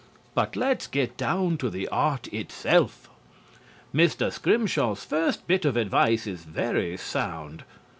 But let's get down to the art itself. Mr. Scrimshaw's first bit of advice is very sound.